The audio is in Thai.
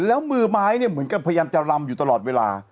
แล้วมือไม้เนี่ยเหมือนกับพยายามจะรำอยู่ตลอดเวลา